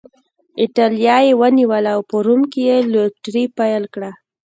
اېټالیا یې ونیوله او په روم کې یې لوټري پیل کړه.